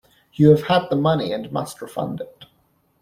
You have had the money and must refund it.